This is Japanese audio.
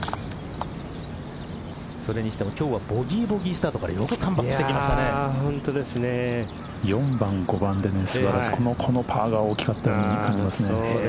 それにしても今日はボギーボギースタートから４番５番で素晴らしいこのパーが大きかったですね。